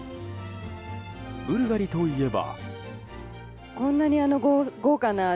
ブルガリといえば。